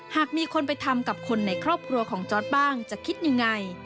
หากมีคนไปทำกับคนในครอบครัวของจอร์ดบ้างจะคิดยังไง